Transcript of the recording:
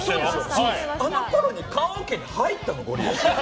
あのころに棺桶に入ったのゴリエ。